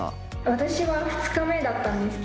私は２日目だったんですけど。